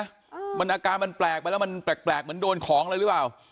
อืมมันอาการมันแปลกไปแล้วมันแปลกแปลกเหมือนโดนของอะไรหรือเปล่า